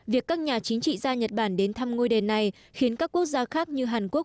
việc các nhà chính trị gia nhật bản đến thăm ngôi đền này khiến các quốc gia khác như hàn quốc